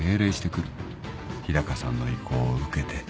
日高さんの意向を受けて。